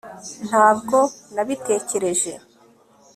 Ntabwo nabitekereje